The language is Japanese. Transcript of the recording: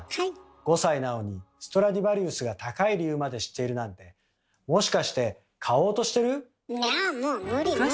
５歳なのにストラディヴァリウスが高い理由まで知っているなんていやぁもう無理無理です。